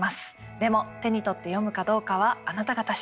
でも手に取って読むかどうかはあなた方次第。